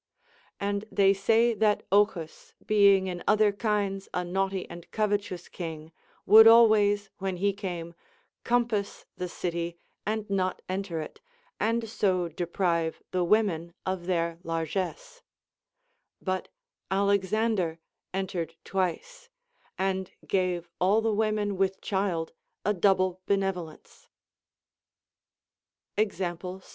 And they say that Ochus, being in other kinds a naughty and covetous king, Avould always, when he came, compass the city and not enter it, and so deprive the women of their largess ; but Alexander entered twice, and gave all the women with child a double benevolence Example 6.